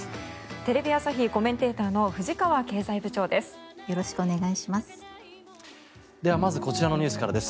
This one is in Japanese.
テレビ朝日コメンテーターの藤川経済部長です。